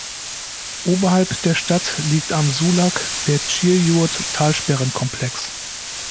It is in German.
Oberhalb der Stadt liegt am Sulak der Tschirjurt-Talsperrenkomplex.